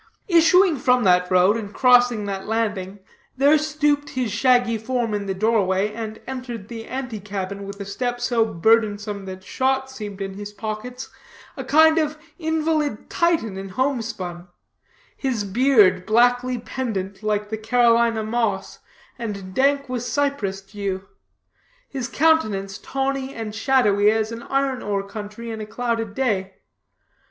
Issuing from that road, and crossing that landing, there stooped his shaggy form in the door way, and entered the ante cabin, with a step so burdensome that shot seemed in his pockets, a kind of invalid Titan in homespun; his beard blackly pendant, like the Carolina moss, and dank with cypress dew; his countenance tawny and shadowy as an iron ore country in a clouded day.